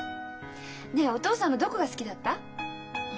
ねえお父さんのどこが好きだった？